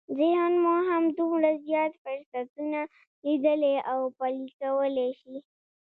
ذهن مو همدومره زیات فرصتونه ليدلی او پلي کولای شي.